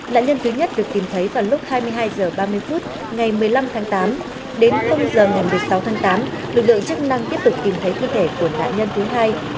nạn nhân thứ nhất được tìm thấy vào lúc hai mươi hai h ba mươi phút ngày một mươi năm tháng tám đến h ngày một mươi sáu tháng tám lực lượng chức năng tiếp tục tìm thấy thi thể của nạn nhân thứ hai